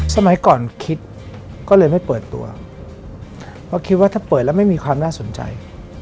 สมัยก่อนคิดก็เลยไม่เปิดตัวเพราะคิดว่าถ้าเปิดแล้วไม่มีความน่าสนใจ